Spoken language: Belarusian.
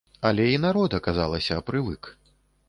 Але і народ, аказалася, прывык.